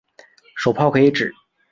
手炮可以指